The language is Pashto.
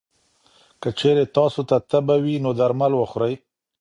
که چېرې تاسو ته تبه وي، نو درمل وخورئ.